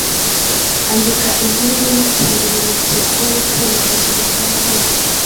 Andika inkuru irimo insanganyamatsiko yo kwimakaza umuco w’amahoro”